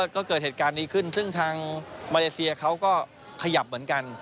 ก็เกิดเหตุการณ์นี้ขึ้นซึ่งทางมาเลเซียเขาก็ขยับเหมือนกัน